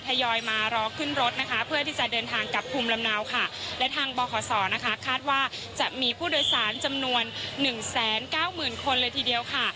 ยอยมารอขึ้นรถนะคะเพื่อที่จะเดินทางกลับภูมิลำเนาค่ะและทางบขศนะคะคาดว่าจะมีผู้โดยสารจำนวนหนึ่งแสนเก้าหมื่นคนเลยทีเดียวค่ะ